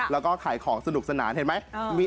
แล้วก็ขายของสนุกสนานเห็นไหม